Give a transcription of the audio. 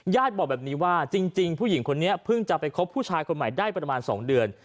บอกแบบนี้ว่าจริงผู้หญิงคนนี้เพิ่งจะไปคบผู้ชายคนใหม่ได้ประมาณ๒เดือน